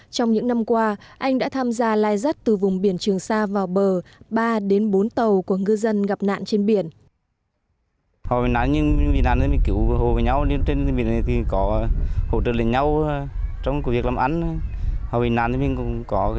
trong những năm qua anh đã tham gia lai rắt từ vùng biển trường sa vào bờ ba đến bốn tàu của ngư dân gặp nạn trên biển